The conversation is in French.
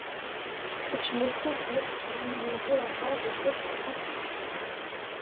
C'est une espèce nocturne mais on peut la voir de jour par temps frais.